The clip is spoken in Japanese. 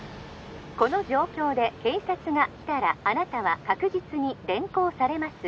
この状況で警察が来たら☎あなたは確実に連行されます